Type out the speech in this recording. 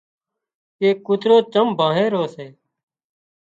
ڪي ڪوترو چم ڀانهي رو سي